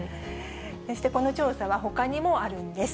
そしてこの調査はほかにもあるんです。